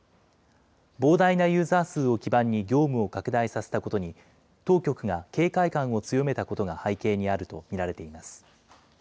膨大なユーザー数を基盤に業務を拡大させたことに、当局が警戒感を強めたことが背景にあると見られています。